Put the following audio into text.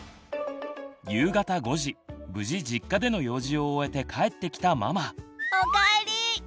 夕方５時無事実家での用事を終えて帰ってきたママ。